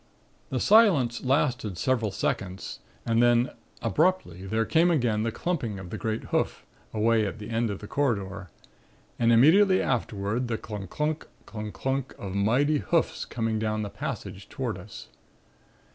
"The silence lasted several seconds and then, abruptly there came again the clumping of the great hoof, away at the end of the corridor. And immediately afterward the clungk, clunk clungk, clunk of mighty hoofs coming down the passage toward us.